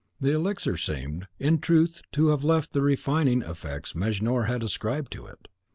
The elixir seemed, in truth, to have left the refining effects Mejnour had ascribed to it.